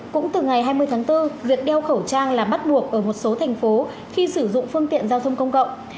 cũng từ ngày hai mươi tháng bốn việc đeo khẩu trang là bắt buộc ở một số thành phố khi sử dụng phương tiện giao thông công cộng